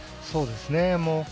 そうですね。